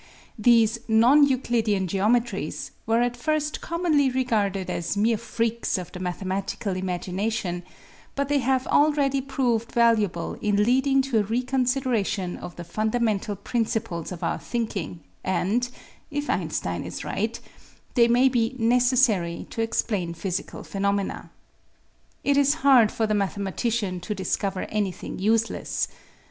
These non Euclidean geometries were at first commonly regarded as mere freaks of the mathe matical imagination, but they have already proved valu able in leading to a reconsideration of the fundamental principles of our thinking and, if Einstein is right, they may be necessary to explain physical phenomena. It is hard for the mathematician to discover anything useless.